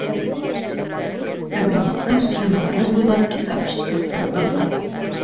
Кабинеттың стеналары буйлап китап шкафтары ҡуйылған.